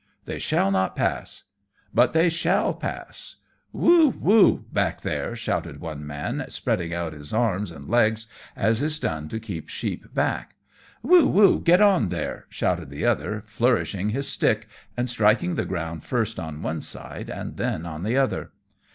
"They shall not pass." "But they shall pass." "Woo! Woo! back there," shouted the one man, spreading out his arms and legs, as is done to keep sheep back. "Woo! Woo! get on there," shouted the other, flourishing his stick, and striking the ground first on one side and then on the other.